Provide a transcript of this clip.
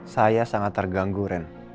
saya sangat terganggu ren